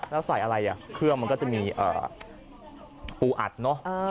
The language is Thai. แล้วใส่อะไรอ่ะเครื่องมันก็จะมีปูอัดเนอะ